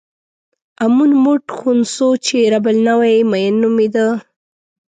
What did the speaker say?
امون موټ خونسو چې رب النوع یې مېن نومېده.